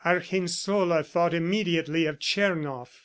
... Argensola thought immediately of Tchernoff.